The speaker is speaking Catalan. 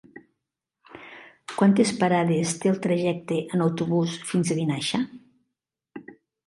Quantes parades té el trajecte en autobús fins a Vinaixa?